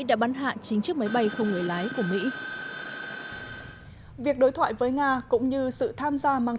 đã bắn hạ chín chiếc máy bay không người lái của mỹ việc đối thoại với nga cũng như sự tham gia mang